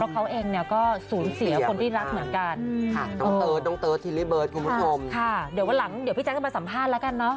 ค่ะเดี๋ยววันหลังเดี๋ยวพี่แจ๊กก็มาสัมภาษณ์แล้วกันเนอะ